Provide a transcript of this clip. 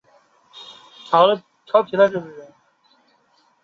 但中国境内机场依然不能攻击。